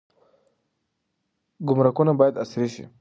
ګمرکونه باید عصري شي.